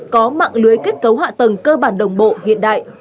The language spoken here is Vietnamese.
có mạng lưới kết cấu hạ tầng cơ bản đồng bộ hiện đại